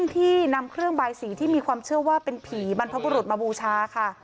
ที่นำเครื่องบายสีที่มีความเชื่อว่าเป็นผีบรรพบุรุษมาบูชาค่ะ